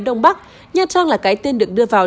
đông bắc như trang là cái tên được đưa vào